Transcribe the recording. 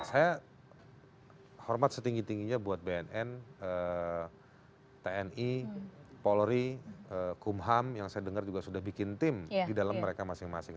saya hormat setinggi tingginya buat bnn tni polri kumham yang saya dengar juga sudah bikin tim di dalam mereka masing masing